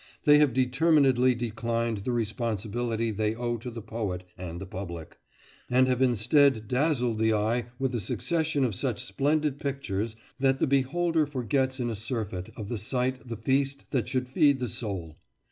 They have determinedly declined the responsibility they owe to the poet and the public, and have instead dazzled the eye with a succession of such splendid pictures that the beholder forgets in a surfeit of the sight the feast that should feed the soul.